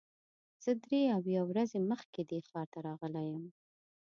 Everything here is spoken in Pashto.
زه درې اویا ورځې مخکې دې ښار ته راغلی یم.